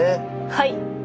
はい。